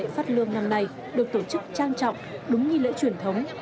lễ lễ phát lương năm nay được tổ chức trang trọng đúng như lễ truyền thống